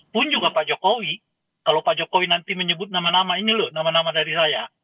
pun juga pak jokowi kalau pak jokowi nanti menyebut nama nama ini loh nama nama dari saya